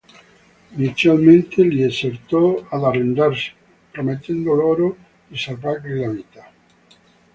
Inizialmente li esortò ad arrendersi, promettendo loro di salvargli la vita.